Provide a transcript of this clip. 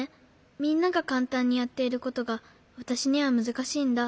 みんながかんたんにやっていることがわたしにはむずかしいんだ。